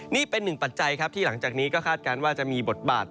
นี่เป็นหนึ่งปัจจัยครับที่หลังจากนี้ก็คาดการณ์ว่าจะมีบทบาท